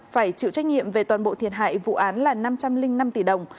phải chịu trách nhiệm về toàn bộ thiệt hại vụ án là năm trăm linh năm tỷ đồng